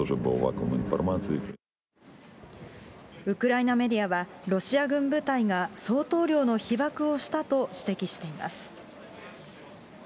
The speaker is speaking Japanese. ウクライナメディアは、ロシア軍部隊が相当量の被ばくをしたと指摘しています。